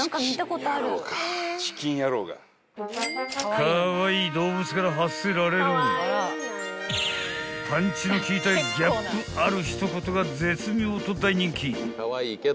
［カワイイ動物から発せられるパンチの効いたギャップある一言が絶妙と大人気］